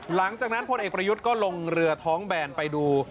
หลังจากนั้นคนเอกประยุทธิ์ก็ลงเรือท้องแบ่นไปดู